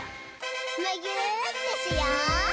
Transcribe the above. むぎゅーってしよう！